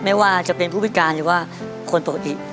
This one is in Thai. ไม่ว่าจะเป็นผู้พิการหรือว่าคนปกติ